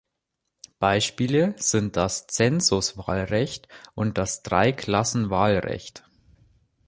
Beispiele sind das Zensuswahlrecht und das Dreiklassenwahlrecht.